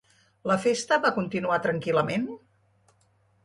La festa va continuar tranquil·lament?